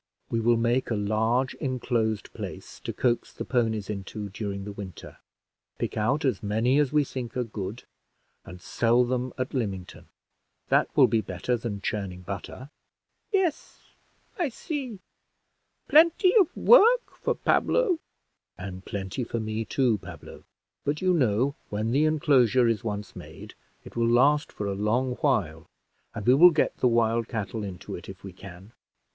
We will make a large inclosed place, to coax the ponies into during the winter, pick out as many as we think are good, and sell them at Lymington. That will be better than churning butter." "Yes, I see; plenty of work for Pablo." "And plenty for me, too, Pablo; but you know when the inclosure is once made it will last for a long while; and we will get the wild cattle into it if we can."